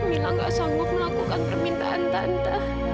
bila gak sanggup melakukan permintaan tante